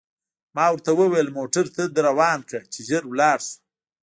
ما ورته وویل: موټر ته در روان کړه، چې ژر ولاړ شو.